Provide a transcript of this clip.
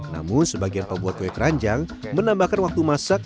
namun sebagian pembuat kue keranjang menambahkan waktu masak